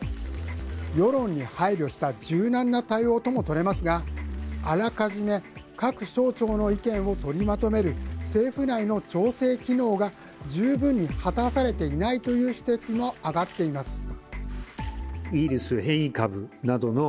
世論に配慮した柔軟な対応ともとれますがあらかじめ各省庁の意見を取りまとめる政府内の調整機能が十分に果たされていないという指摘も上がっています。